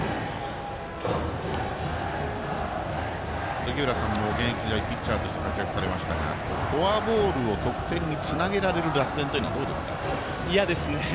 杉浦さんも現役時代ピッチャーとして活躍されましたがフォアボールを得点につなげられる打線というのは嫌ですね。